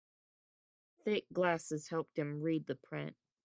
Thick glasses helped him read the print.